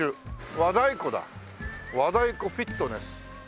和太鼓だ「和太鼓フィットネス」。